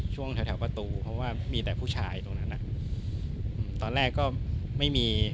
ช่วงแถวแถวประตูเพราะว่ามีแต่ผู้ชายตรงนั้นอ่ะตอนแรกก็ไม่มี